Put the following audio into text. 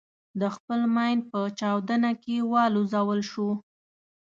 د خپل ماین په چاودنه کې والوزول شو.